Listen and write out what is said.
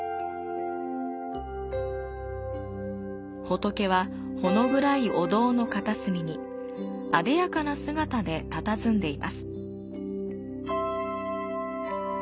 仏は、ほのぐらいお堂の片隅にあでやかな姿でたたずんでいます。